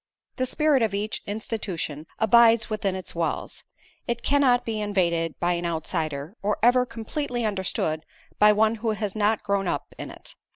The spirit of each institution abides within its walls. It cannot be invaded by an outsider, or ever completely understood by one who has not grown up in it.